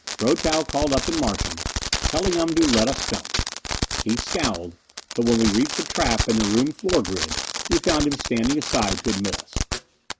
Brotow called up in Martian, telling him to let us come. He scowled, but when we reached the trap in the room floor grid, we found him standing aside to admit us.